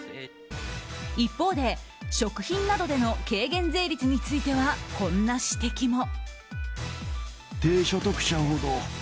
一方で食品などでの軽減税率についてはこんな指摘も。